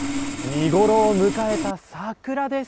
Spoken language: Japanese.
見ごろを迎えた桜です。